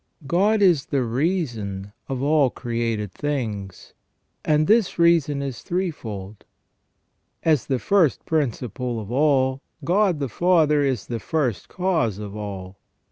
God is the reason of all created things, and this reason is three fold. As the first principle of all, God the Father is the First Cause of all.